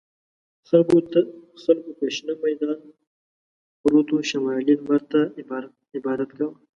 خلکو په شنه میدان پروتو شمالي لمر ته عبادت کاوه.